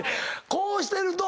こうしてると。